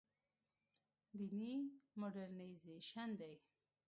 دیني مډرنیزېشن دی.